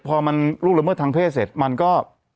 พอมันล่วงละเมิดทางเพศเสร็จมันก็